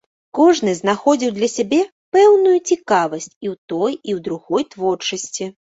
Кожны знаходзіў для сябе пэўную цікавасць і ў той, і ў другой творчасці.